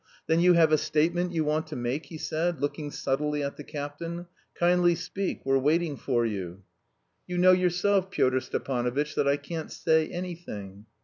"Then you have a statement you want to make?" he said, looking subtly at the captain. "Kindly speak. We're waiting for you." "You know yourself Pyotr Stepanovitch, that I can't say anything."